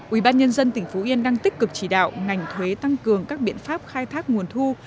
ubnd tỉnh phú yên đang tích cực chỉ đạo ngành thuế tăng cường các biện pháp khai thác nguồn thu